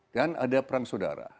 dan ada perang saudara